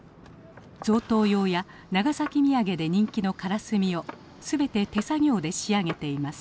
贈答用や長崎土産で人気のからすみを全て手作業で仕上げています。